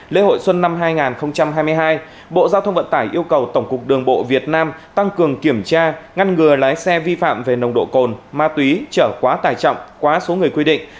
lễ hội xuân năm hai nghìn hai mươi hai bộ giao thông vận tải yêu cầu tổng cục đường bộ việt nam tăng cường kiểm tra ngăn ngừa lái xe vi phạm về nồng độ cồn ma túy trở quá tải trọng quá số người quy định